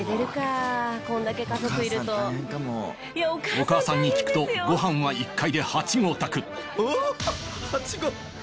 お母さんに聞くとご飯は１回で８合炊くうわ！